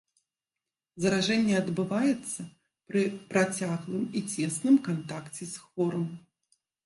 Заражэнне адбываецца пры працяглым і цесным кантакце з хворым.